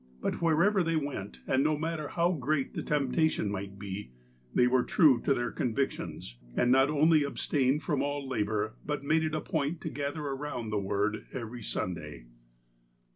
But wherever they went, and no matter how great the temptation might be, they were true to their convictions, aud not only ab stained from all labour, but made it a point to gather around the Word every Sunday.